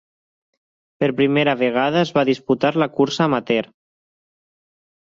Per primera vegada es va disputar la cursa amateur.